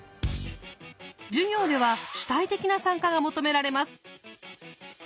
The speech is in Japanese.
授業では主体的な参加が求められます。